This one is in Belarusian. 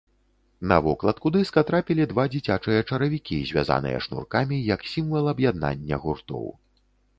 На вокладку дыска трапілі два дзіцячыя чаравікі, звязаныя шнуркамі як сімвал аб'яднання гуртоў.